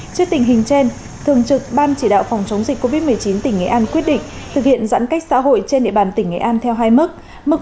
trước tình hình trên thường trực ban chỉ đạo phòng chống dịch covid một mươi chín tỉnh nghệ an quyết định thực hiện giãn cách xã hội trên địa bàn tỉnh nghệ an theo hai mức